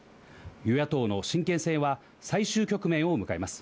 与野党の神経戦は最終局面を迎えます。